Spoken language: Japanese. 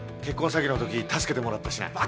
結婚詐欺のとき助けてもらったしな。